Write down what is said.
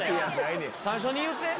最初に言うて。